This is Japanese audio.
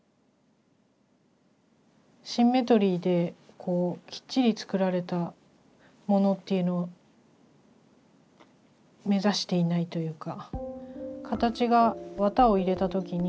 シンメトリーできっちり作られたものっていうのを目指していないというか。